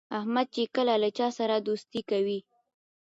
احمد چې کله له چا سره دوستي کوي،